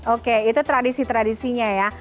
oke itu tradisi tradisinya ya